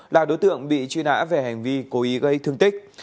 là đối tượng bị truy nã về hành vi cố ý gây thương tích